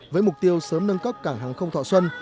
với mục tiêu sớm nâng cấp cảng hàng không thọ xuân